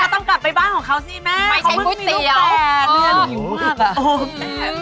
ไม่ได้แม่ต้องกลับไปบ้านของเขาสิแม่เขามันไม่มีลูกแบบ